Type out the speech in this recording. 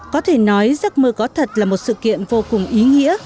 có thể nói giấc mơ có thật là một sự kiện vô cùng ý nghĩa